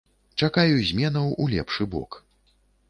Чакаю зменаў у лепшы бок.